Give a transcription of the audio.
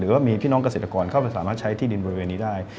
ว่ามีพี่น้องเกษตรกรเข้าไปสามารถใช้ที่ดินบริเวณนี้ได้